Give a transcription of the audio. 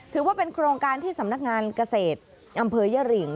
ถือว่าเป็นโครงการที่สำนักงานเกษตรอำเภอยริง